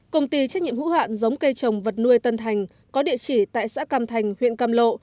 công ty trách nhiệm hữu hạn giống cây trồng vật nuôi tân thành có địa chỉ tại xã cam thành huyện cam lộ